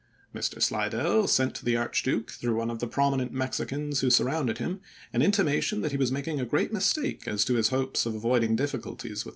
Mr. Slidell sent to the Archduke, through one of the prominent Mexicans who surrounded him, an intimation that he was making a great mistake as to his hopes of avoiding difficulties with the Slidell to Benjamin, March 16, 1864.